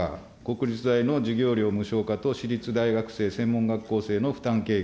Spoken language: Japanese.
国立大の授業料無償化と私立大学生・専門学校生の負担軽減。